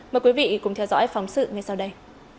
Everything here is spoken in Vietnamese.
mời quý vị cùng theo dõi phóng sự ngay sau đây